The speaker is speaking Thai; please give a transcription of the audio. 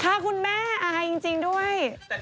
ถ้าคุณแม่อายจริงด้วย